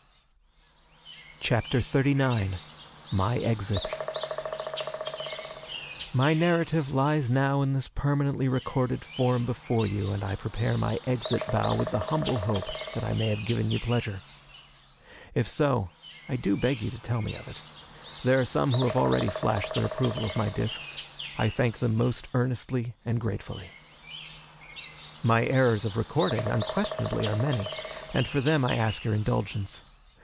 CHAPTER XXXIX My Exit My narrative lies now in this permanently recorded form before you, and I prepare my exit bow with the humble hope that I may have given you pleasure. If so, I do beg you to tell me of it. There are some who already have flashed their approval of my discs; I thank them most earnestly and gratefully. My errors of recording unquestionably are many; and for them I ask your indulgence.